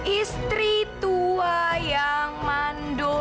istri tua yang mandul